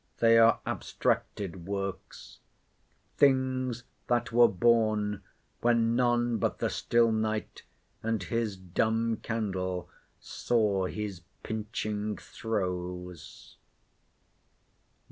They are abstracted works— "Things that were born, when none but the still night, And his dumb candle, saw his pinching throes."